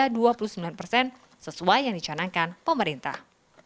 hingga dua puluh sembilan sesuai yang dicanangkan pemerintah